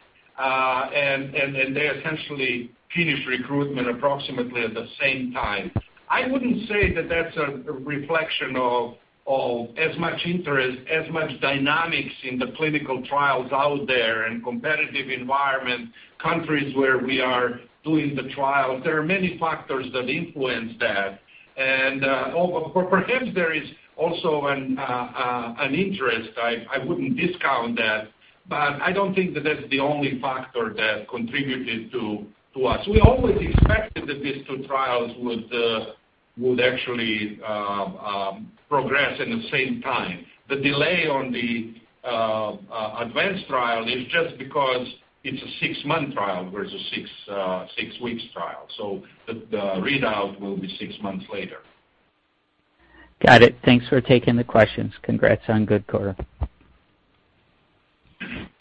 and they essentially finished recruitment approximately at the same time. I wouldn't say that that's a reflection of as much interest, as much dynamics in the clinical trials out there and competitive environment, countries where we are doing the trials. There are many factors that influence that. Perhaps there is also an interest. I wouldn't discount that, but I don't think that that's the only factor that contributed to us. We always expected that these two trials would actually progress in the same time. The delay on the ADVANCE trial is just because it's a six-month trial versus six weeks trial. The readout will be six months later. Got it. Thanks for taking the questions. Congrats on good quarter.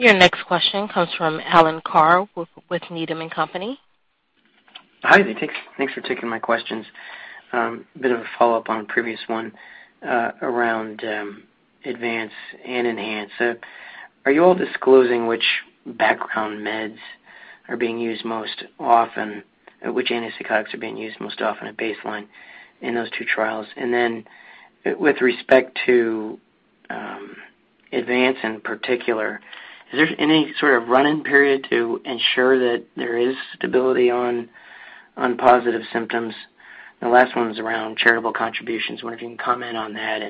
Your next question comes from Alan Carr with Needham & Company. Hi. Thanks for taking my questions. A bit of a follow-up on a previous one, around ADVANCE and ENHANCE. Are you all disclosing which background meds are being used most often? Which antipsychotics are being used most often at baseline in those two trials? Then with respect to ADVANCE in particular, is there any sort of run-in period to ensure that there is stability on positive symptoms? The last one is around charitable contributions. I wonder if you can comment on that. I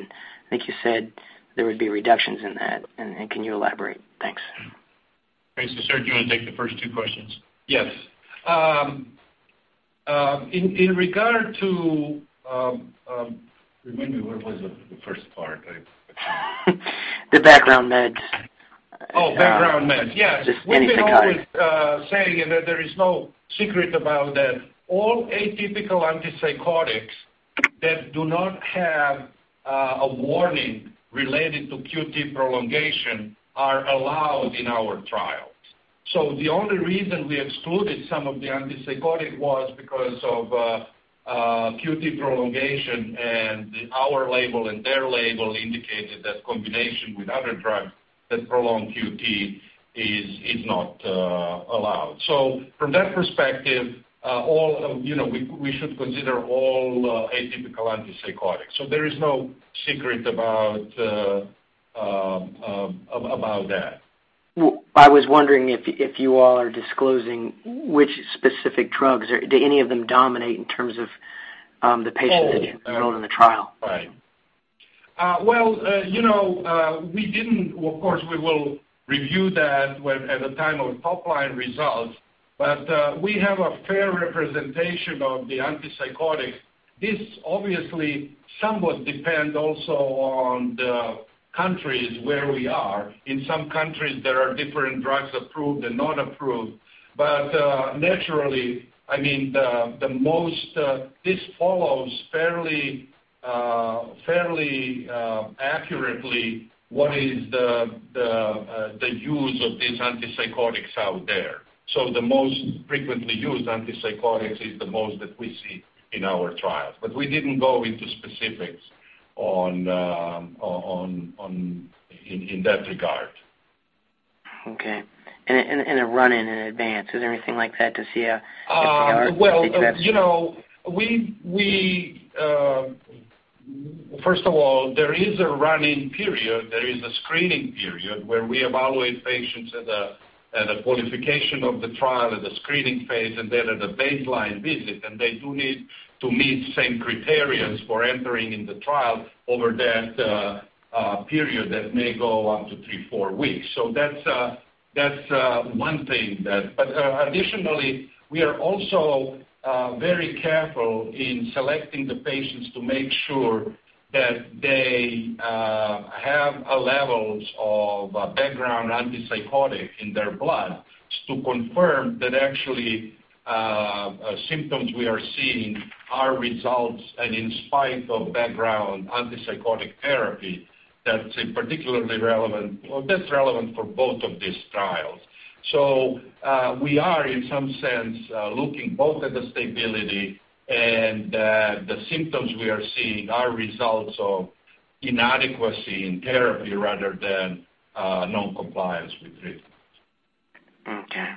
think you said there would be reductions in that. Can you elaborate? Thanks. Thanks. Serge, do you wanna take the first two questions? Yes. In regard to, remind me, what was the first part? The background meds. Oh, background meds. Yeah. Just anything regarding. We've been always saying there is no secret about that. All atypical antipsychotics that do not have a warning related to QT prolongation are allowed in our trials. The only reason we excluded some of the antipsychotic was because of QT prolongation, and our label and their label indicated that combination with other drugs that prolong QT is not allowed. From that perspective, all of You know, we should consider all atypical antipsychotics. There is no secret about that. I was wondering if you all are disclosing which specific drugs or do any of them dominate in terms of the patients enrolled in the trial? Right. Well, you know, of course, we will review that when, at the time of top-line results, but we have a fair representation of the antipsychotics. This obviously somewhat depends also on the countries where we are. In some countries, there are different drugs approved and not approved. Naturally, I mean, this follows fairly, accurately what is the use of these antipsychotics out there. The most frequently used antipsychotics is the most that we see in our trials. We didn't go into specifics on, in that regard. Okay. A run-in in ADVANCE, is there anything like that to see? Uh, well, you know, we, first of all, there is a run-in period. There is a screening period where we evaluate patients at a qualification of the trial, at the screening phase, and then at a baseline visit. They do need to meet same criteria for entering in the trial over that period that may go up to three, four weeks. That's one thing that. Additionally, we are also very careful in selecting the patients to make sure that they have levels of background antipsychotic in their blood to confirm that actually symptoms we are seeing are results and in spite of background antipsychotic therapy that's particularly relevant or that's relevant for both of these trials. We are, in some sense, looking both at the stability and that the symptoms we are seeing are results of inadequacy in therapy rather than noncompliance with treatment. Okay.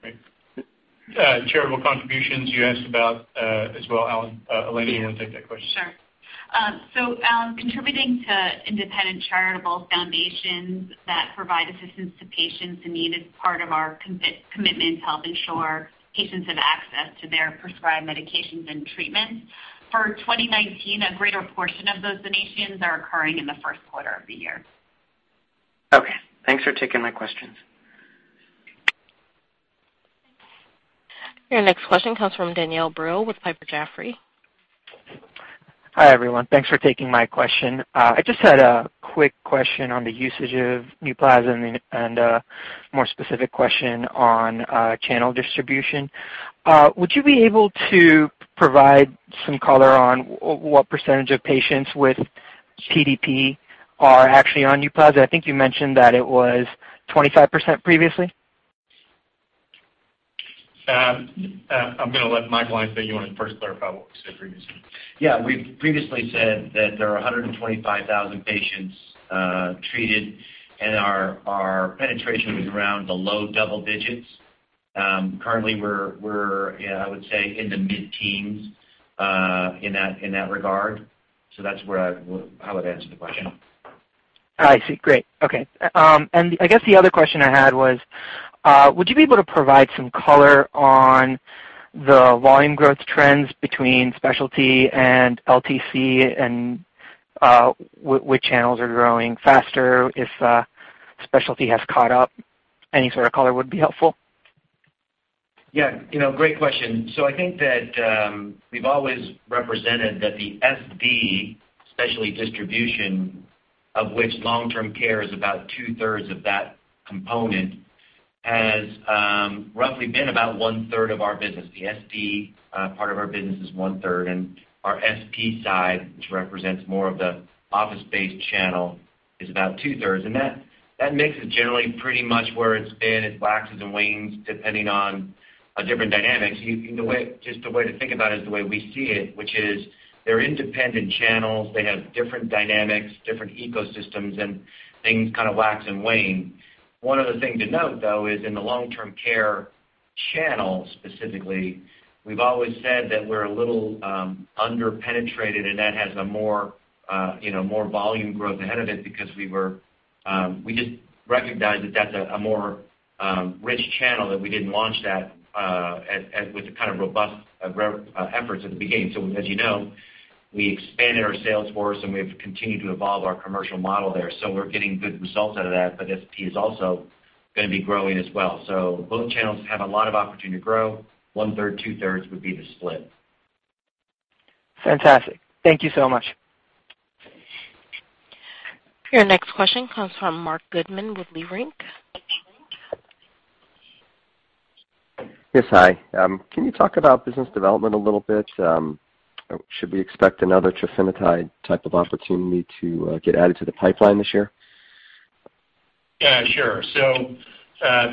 Great. Charitable contributions, you asked about, as well, Alan. Elena, you wanna take that question? Sure. Contributing to independent charitable foundations that provide assistance to patients in need is part of our commitment to help ensure patients have access to their prescribed medications and treatments. For 2019, a greater portion of those donations are occurring in the first quarter of the year. Okay. Thanks for taking my questions. Your next question comes from Danielle Brill with Piper Jaffray. Hi, everyone. Thanks for taking my question. I just had a quick question on the usage of NUPLAZID and a more specific question on channel distribution. Would you be able to provide some color on what percentage of patients with PDP are actually on NUPLAZID? I think you mentioned that it was 25% previously. I'm gonna let Michael, he wanted to first clarify what was said previously. Yeah. We've previously said that there are 125,000 patients treated, and our penetration was around the low double digits. Currently we're, yeah, I would say in the mid-teens in that regard. That's where how I'd answer the question. I see. Great. Okay. I guess the other question I had was, would you be able to provide some color on the volume growth trends between specialty and LTC and, which channels are growing faster, if specialty has caught up? Any sort of color would be helpful. Yeah. You know, great question. I think that we've always represented that the SD, specialty distribution, of which long-term care is about 2/3 of that component, has roughly been about 1/3 of our business. The SD part of our business is 1/3, and our SP side, which represents more of the office-based channel, is about 2/3. That makes it generally pretty much where it's been. It waxes and wanes depending on different dynamics. Just the way to think about it is the way we see it, which is they're independent channels. They have different dynamics, different ecosystems, and things kind of wax and wane. One other thing to note, though, is in the long-term care channel specifically, we've always said that we're a little under-penetrated, and that has a more, you know, more volume growth ahead of it because We just recognized that that's a more rich channel that we didn't launch that with the kind of robust efforts at the beginning. As you know, we expanded our sales force, and we've continued to evolve our commercial model there. We're getting good results out of that, but SP is also gonna be growing as well. Both channels have a lot of opportunity to grow. One-third, two-thirds would be the split. Fantastic. Thank you so much. Your next question comes from Marc Goodman with Leerink. Yes. Hi. Can you talk about business development a little bit? Should we expect another trofinetide type of opportunity to get added to the pipeline this year? Yeah, sure.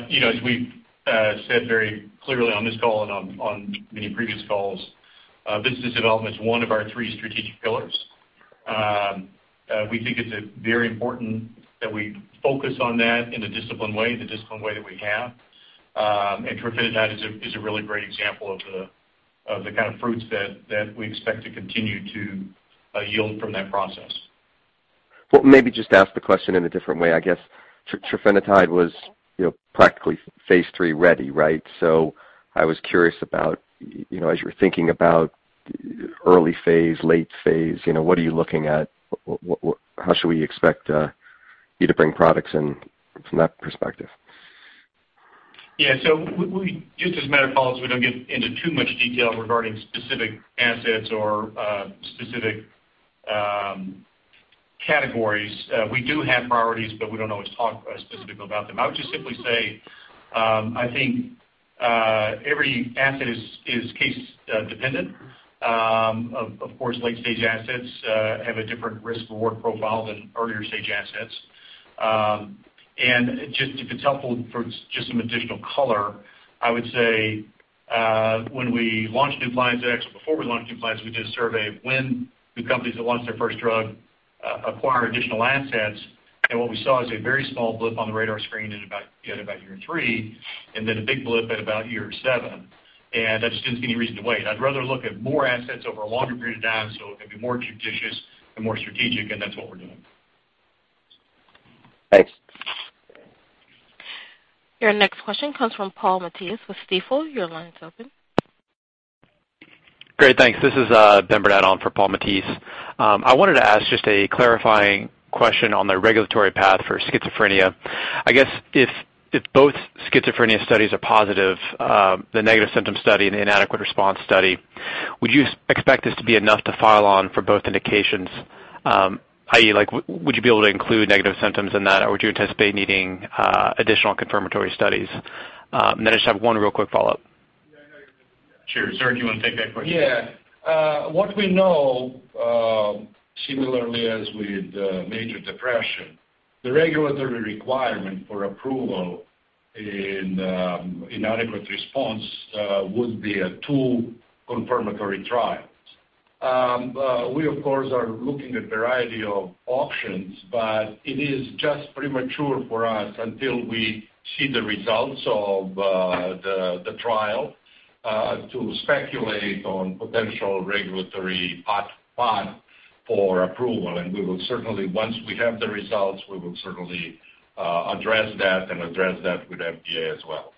You know, as we've said very clearly on this call and on many previous calls, business development is one of our three strategic pillars. We think it's very important that we focus on that in a disciplined way, the disciplined way that we have. trofinetide is a really great example of the kind of fruits that we expect to continue to yield from that process. Well, maybe just ask the question in a different way, I guess. trofinetide was, you know, practically phase III-ready, right? I was curious about, you know, as you were thinking about early phase, late phase, you know, what are you looking at? What How should we expect you to bring products in from that perspective? We, just as a matter of policy, we don't get into too much detail regarding specific assets or specific categories. We do have priorities, but we don't always talk specifically about them. I would just simply say, I think every asset is case dependent. Of course, late-stage assets have a different risk and reward profile than earlier-stage assets. Just if it's helpful for just some additional color, I would say, when we launched NUPLAZID, or before we launched NUPLAZID, we did a survey of when the companies that launched their first drug acquired additional assets, and what we saw is a very small blip on the radar screen at about year three, and then a big blip at about year seven. That just gives me a reason to wait. I'd rather look at more assets over a longer period of time so it can be more judicious and more strategic, and that's what we're doing. Thanks. Your next question comes from Paul Matteis with Stifel. Your line is open. Great. Thanks. This is Benjamin Burnett on for Paul Matteis. I wanted to ask just a clarifying question on the regulatory path for schizophrenia. If both schizophrenia studies are positive, the negative symptom study and the inadequate response study, would you expect this to be enough to file on for both indications? I.e., would you be able to include negative symptoms in that, or would you anticipate needing additional confirmatory studies? Then I just have one real quick follow-up. Yeah, I know you're gonna take that. Sure. Serge, you wanna take that question? Yeah. what we know, similarly as with major depression, the regulatory requirement for approval in inadequate response would be a two confirmatory trials. We of course are looking at variety of options, but it is just premature for us until we see the results of the trial to speculate on potential regulatory path for approval. We will certainly, once we have the results, we will certainly address that and address that with FDA as well.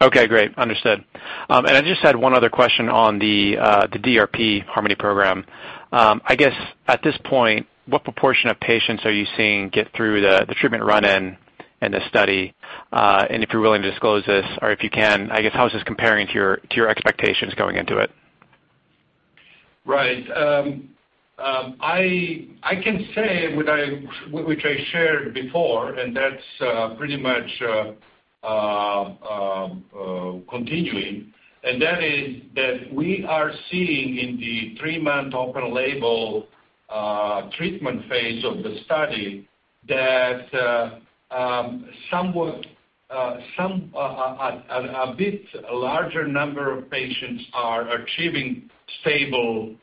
Okay. Great. Understood. I just had one other question on the DRP HARMONY program. I guess at this point, what proportion of patients are you seeing get through the treatment run-in in the study? If you're willing to disclose this or if you can, I guess how is this comparing to your expectations going into it? Right. I can say what I, what I shared before, and that's pretty much continuing, and that is that we are seeing in the three-month open label treatment phase of the study that somewhat a bit larger number of patients are achieving stable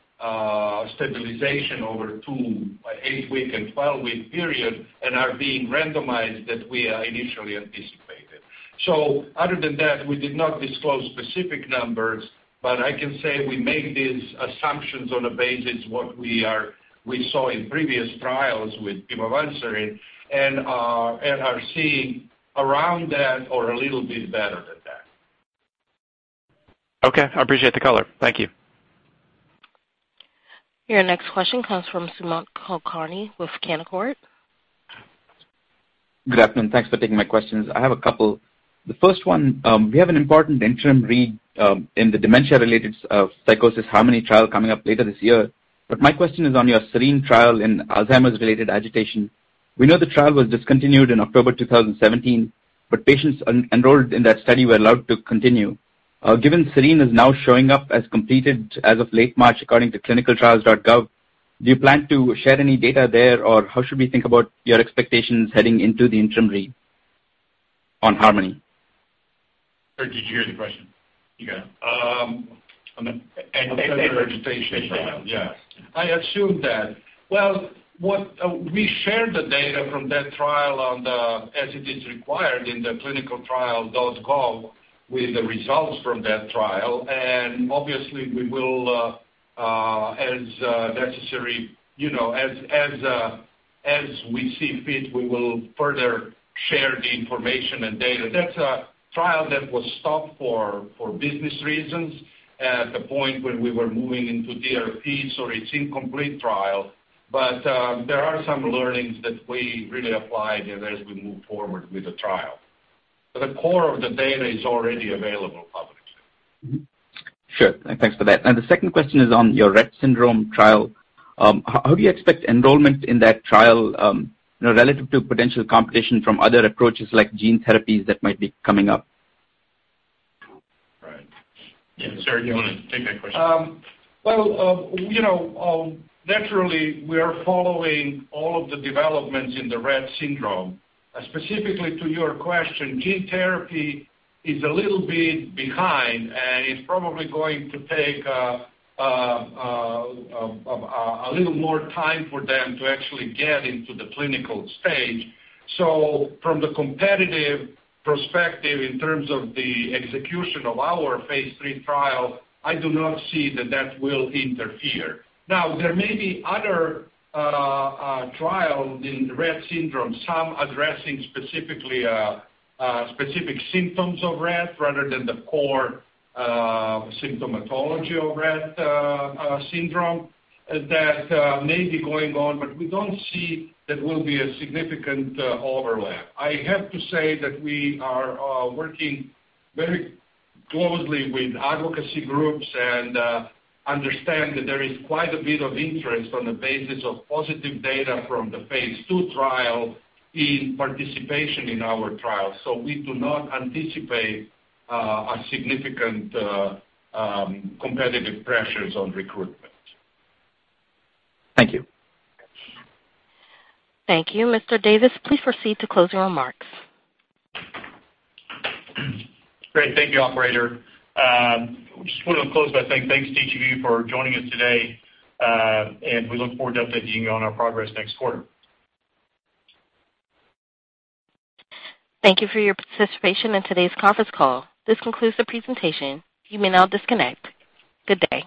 stabilization over two, eight-week and 12-week period and are being randomized that we initially anticipated. Other than that, we did not disclose specific numbers, but I can say we make these assumptions on the basis what we saw in previous trials with pimavanserin and are seeing around that or a little bit better than that. Okay. I appreciate the color. Thank you. Your next question comes from Sumant Kulkarni with Canaccord. Good afternoon. Thanks for taking my questions. I have a couple. The first one, we have an important interim read in the dementia-related psychosis HARMONY trial coming up later this year. My question is on your SERENE trial in Alzheimer's related agitation. We know the trial was discontinued in October 2017, but patients enrolled in that study were allowed to continue. Given SERENE is now showing up as completed as of late March, according to Clinicaltrials.gov, do you plan to share any data there, or how should we think about your expectations heading into the interim read on HARMONY? Serge, did you hear the question? You got it. Anti-agitation trial. Yeah. I assumed that. Well, what we shared the data from that trial as it is required in ClinicalTrials.gov with the results from that trial. Obviously, we will, as necessary, you know, as we see fit, we will further share the information and data. That's a trial that was stopped for business reasons at the point when we were moving into DRPs, so it's incomplete trial, but there are some learnings that we really applied as we move forward with the trial. The core of the data is already available publicly. Mm-hmm. Sure. Thanks for that. The second question is on your Rett syndrome trial. How do you expect enrollment in that trial, you know, relative to potential competition from other approaches like gene therapies that might be coming up? Right. Yeah. Serge, do you wanna take that question? Well, you know, naturally we are following all of the developments in Rett syndrome. Specifically to your question, gene therapy is a little bit behind, and it's probably going to take a little more time for them to actually get into the clinical stage. From the competitive perspective in terms of the execution of our phase III trial, I do not see that that will interfere. There may be other trials in Rett syndrome, some addressing specifically specific symptoms of Rett rather than the core symptomatology of Rett syndrome that may be going on, but we don't see that will be a significant overlap. I have to say that we are working very closely with advocacy groups and understand that there is quite a bit of interest on the basis of positive data from the phase II trial in participation in our trial. We do not anticipate a significant competitive pressures on recruitment. Thank you. Thank you. Mr. Davis, please proceed to closing remarks. Great. Thank you, operator. Just wanna close by saying thanks to each of you for joining us today. We look forward to updating you on our progress next quarter. Thank you for your participation in today's conference call. This concludes the presentation. You may now disconnect. Good day.